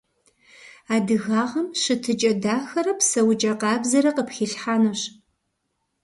Адыгагъэм щытыкIэ дахэрэ псэукIэ къабзэрэ къыпхилъхьэнущ.